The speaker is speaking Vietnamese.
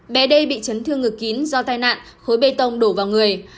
bé đê bị chấn thương ngực kín do tai nạn khối bê tông đổ vào người